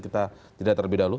kita tidak terlebih dahulu